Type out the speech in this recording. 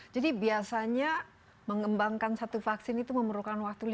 jadi biasanya mengembangkan satu vaksin itu memerlukan waktu lima tahun